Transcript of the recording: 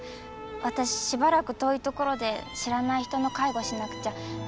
私しばらく遠い所で知らない人の介護しなくちゃ。